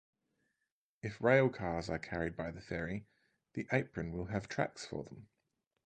If railcars are carried by the ferry the apron will have tracks for them.